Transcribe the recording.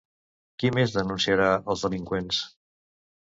Qui més denunciarà els delinqüents?